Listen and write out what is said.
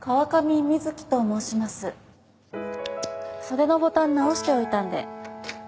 袖のボタン直しておいたんで。